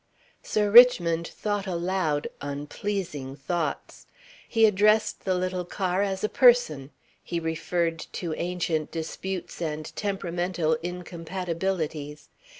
Sir Richmond thought aloud, unpleasing thoughts. He addressed the little car as a person; he referred to ancient disputes and temperamental incompatibilities.